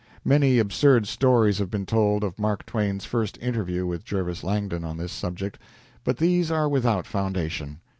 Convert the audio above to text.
Many absurd stories have been told of Mark Twain's first interview with Jervis Langdon on this subject, but these are without foundation.